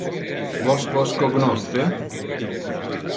Vos vos cognosce?